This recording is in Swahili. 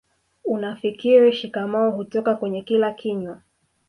unafikiri shikamoo hutoka kwenye kila kinywa